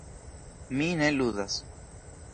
Mi ne ludas.